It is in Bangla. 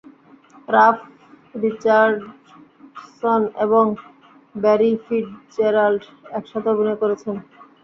রাফ রিচার্ডসন এবং ব্যারি ফিটজেরাল্ড একসাথে অভিনয় করেছেন।